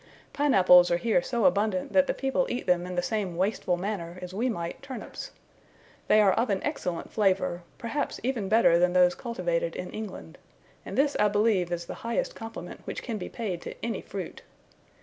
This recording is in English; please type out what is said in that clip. Pine apples are here so abundant that the people eat them in the same wasteful manner as we might turnips. They are of an excellent flavor perhaps even better than those cultivated in England; and this I believe is the highest compliment which can be paid to any fruit.